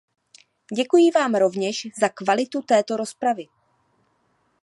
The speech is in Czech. Děkuji vám rovněž za kvalitu této rozpravy.